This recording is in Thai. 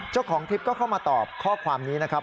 เจ้าของคลิปก็เข้ามาตอบข้อความนี้นะครับ